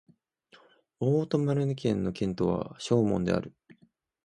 オート＝マルヌ県の県都はショーモンである